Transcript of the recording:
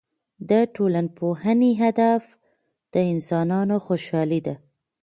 د ټولنپوهنې هدف د انسانانو خوشحالي ده.